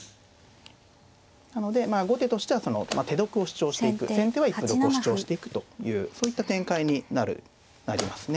なので後手としてはその手得を主張していく先手は一歩得を主張していくというそういった展開になりますね。